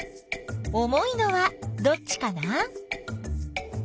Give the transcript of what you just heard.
重いのはどっちかな？